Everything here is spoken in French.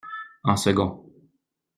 En second.